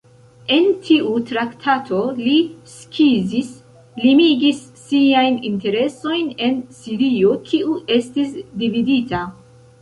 En tiu traktato, li skizis, limigis siajn interesojn en Sirio, kiu estis dividita.